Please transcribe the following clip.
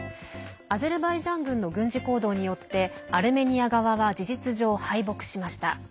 アゼルバイジャン軍の軍事行動によってアルメニア側は事実上、敗北しました。